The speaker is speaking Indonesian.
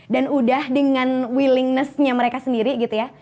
dan udah dengan willingnessnya mereka sendiri gitu ya